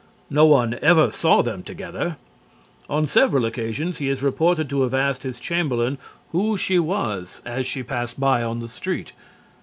No one ever saw them together. On several occasions he is reported to have asked his chamberlain who she was as she passed by on the street.